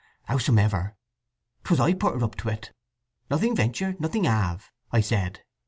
"Howsomever, 'twas I put her up to it! 'Nothing venture nothing have,' I said.